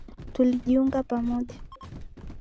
Tulijiunga pamoja.